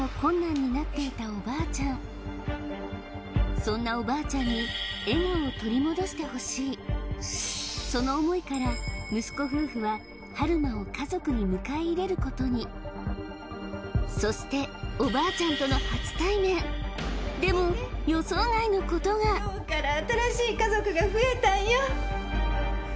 そんなおばあちゃんにその思いから息子夫婦は春馬を家族に迎え入れることにそしておばあちゃんとの初対面でも予想外のことが今日から新しい家族が増えたんよ